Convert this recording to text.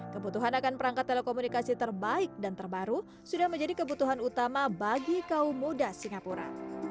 kebutuhan akan perangkat telekomunikasi terbaik dan terbaru sudah menjadi kebutuhan utama bagi kaum muda singapura